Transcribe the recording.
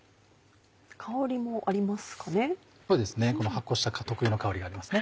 発酵した特有の香りがありますね。